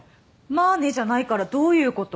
「まあね」じゃないからどういうこと？